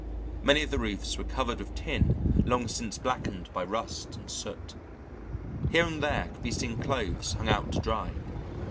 Many of the roofs were covered with tin long since blackened by rust and soot. Here and there could be seen clothes hung out to dry.